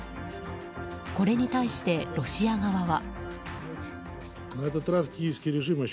これに対して、ロシア側は。